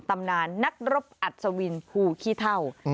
ตำนานนักรบอัศวินภูขี้เท่า